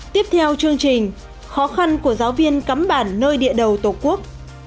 tiếp theo chương trình khó khăn của giáo viên cắm bản nơi địa đầu tổ quốc